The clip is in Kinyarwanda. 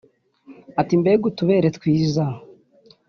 Ati “Mbega utu bere twiza